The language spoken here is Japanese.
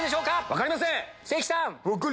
分かりません。